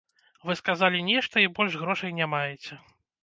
Вы сказалі нешта, і больш грошай не маеце.